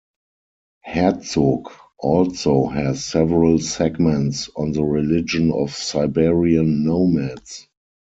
Herzog also has several segments on the religion of Siberian nomads.